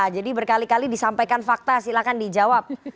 jadi berkali kali disampaikan fakta silahkan dijawab